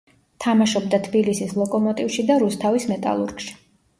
თამაშობდა თბილისის „ლოკომოტივში“ და რუსთავის „მეტალურგში“.